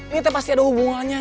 kita pasti ada hubungannya